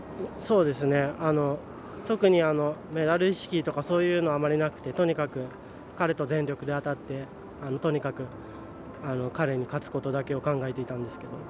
特にメダル意識とかそういうのはあまりなくてとにかく彼と全力で当たってとにかく彼に勝つことだけを考えてたんですけど。